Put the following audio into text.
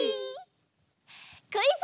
クイズ！